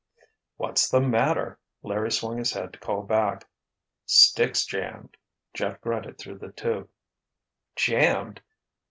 "What's the matter?" Larry swung his head to call back. "Stick's jammed!" Jeff grunted through the tube. "Jammed?"